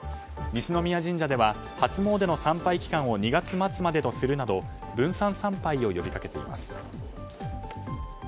西宮神社では初詣の参拝期間を２月末までとするなど分散参拝を呼びかけています。